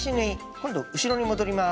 今度後ろに戻ります。